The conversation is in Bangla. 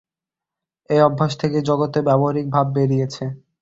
ঐ অভ্যাস থেকেই জগতে ব্যবহারিক ভাব বেরিয়েছে।